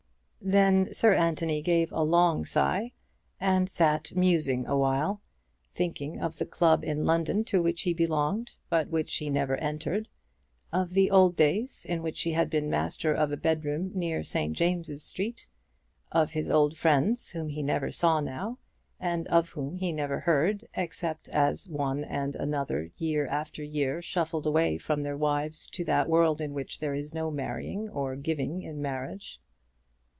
Then Sir Anthony gave a long sigh, and sat musing awhile, thinking of the club in London to which he belonged, but which he never entered; of the old days in which he had been master of a bedroom near St. James's Street, of his old friends whom he never saw now, and of whom he never heard, except as one and another, year after year, shuffled away from their wives to that world in which there is no marrying or giving in marriage.